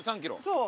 そう。